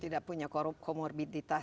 tidak punya komorbiditas